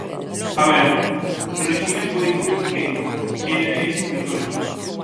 A ver, Rexina pode dicir o que queira, ela é escritora.